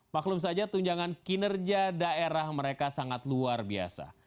maklum saja tunjangan kinerja daerah mereka sangat luar biasa